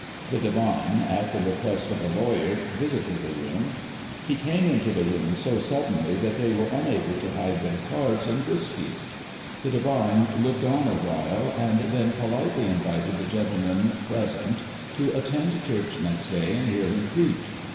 The divine* at the request of a lawyer, visited the room. He came into the room so suddenly that they were unable to hide their cards and 490 [October 81, 18C8.] ALL THE YEAR ROUND. [Conducted by •whisky. The divine looked on awhile, and then politely invited the gentlemen present to attend church next day and hear him preach.